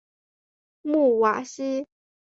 穆瓦西。